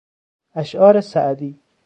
اشعار سعدی